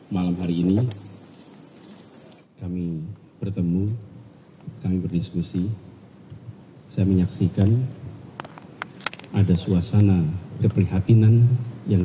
malam hari ini kami bertemu kami berdiskusi saya menyaksikan ada suasana keprihatinan yang